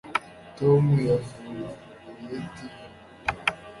Tom yafunguye TV